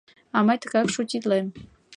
А мый тугак шутитлем.